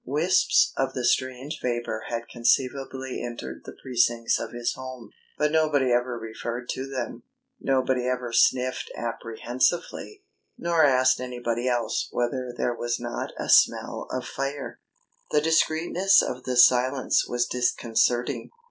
Wisps of the strange vapour had conceivably entered the precincts of his home, but nobody ever referred to them; nobody ever sniffed apprehensively, nor asked anybody else whether there was not a smell of fire. The discreetness of the silence was disconcerting.